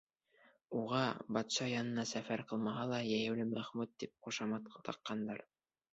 Уға, батша янына сәфәр ҡылмаһа ла, «Йәйәүле Мәхмүт» тип ҡушамат таҡҡандар.